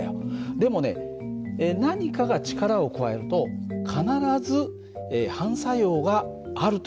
でもね何かが力を加えると必ず反作用があるという事なんだ。